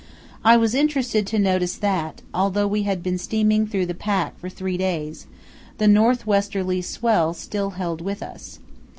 I was interested to notice that, although we had been steaming through the pack for three days, the north westerly swell still held with us.